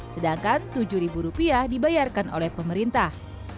sedangkan rp tujuh dibayarkan oleh pemerintah